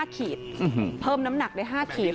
ขีดเพิ่มน้ำหนักได้๕ขีด